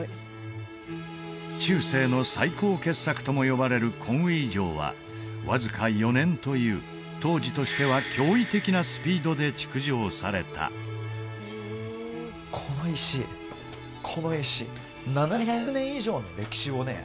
中世の最高傑作とも呼ばれるコンウィ城はわずか４年という当時としては驚異的なスピードで築城されたこの石この石７００年以上の歴史をね